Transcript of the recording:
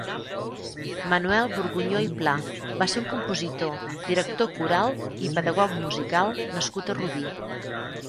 Manuel Borgunyó i Pla va ser un compositor, director coral i pedagog musical nascut a Rubí.